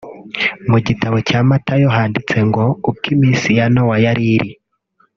Mu gitabo cya Matayo handitse ngo “Uko iminsi ya Nowa yari iri